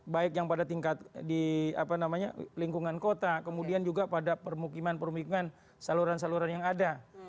baik yang pada tingkat di lingkungan kota kemudian juga pada permukiman permukiman saluran saluran yang ada